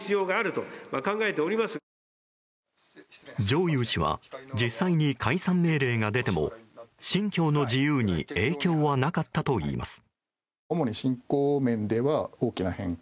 上祐氏は実際に解散命令が出ても信教の自由に影響はなかったといいます。